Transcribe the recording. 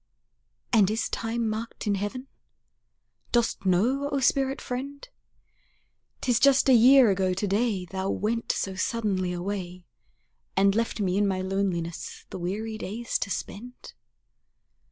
And is time marked in heaven? Dost know, O spirit friend, 'Tis just a year ago to day Thou went so suddenly away, And left me in my loneliness the weary days to spend?